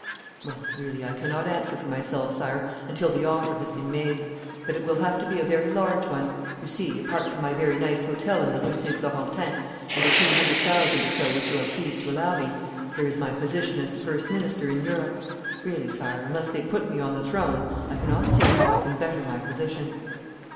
'Well, really I cannot answer for myself, Sire, until the offer has been made. But it will have to be a very large one. You see, apart from my very nice hotel in the Rue St. Florentin, and the two hundred thousand or so which you are pleased to allow me, there is my position as the first minister in Europe. Really, Sire, unless they put me on the throne I cannot see how I can better my position.'